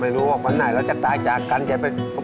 ไม่รู้ว่าเมื่อนไหนเราจะตายจากการแก่เป็น